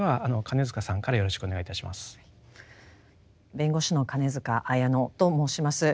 弁護士の金塚彩乃と申します。